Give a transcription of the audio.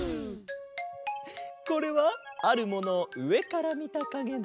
これはあるものをうえからみたかげだ。